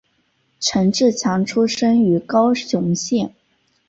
陈志强出生于高雄县。